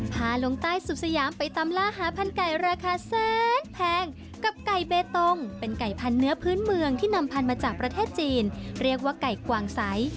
พาลงใต้สุขสยามไปตามล่าหาพันไก่ราคาแสนแพงกับไก่เบตงเป็นไก่พันธเนื้อพื้นเมืองที่นำพันธุ์มาจากประเทศจีนเรียกว่าไก่กวางใส